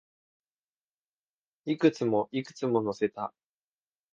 いくつも、いくつも乗せた